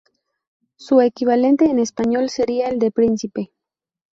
Su equivalente en español sería el de príncipe.